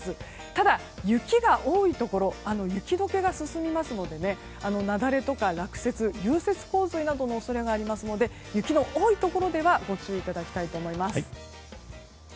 ただ、雪が多いところ雪解けが進みますので雪崩とか落雪、融雪洪水などの恐れがありますので雪の多いところではご注意いただきたいと思います。